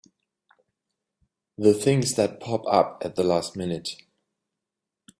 The things that pop up at the last minute!